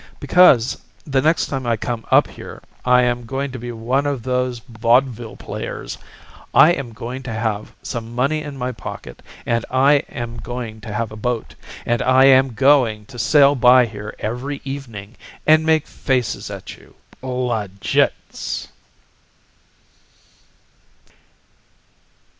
"'Because the next time I come up here I am going to be "one of those Vaudeville players." I am going to have some money in my pocket; and I am going to have a boat; and I am going to sail by here every evening and make faces at you "Legits."'"